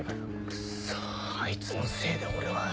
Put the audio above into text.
クッソあいつのせいで俺は。